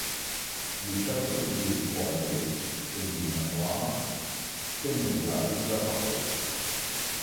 Le château de Poilley est le manoir seigneurial de la paroisse.